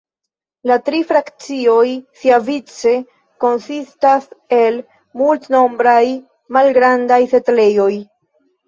La tri frakcioj siavice konsistas el multnombraj malgrandaj setlejoj.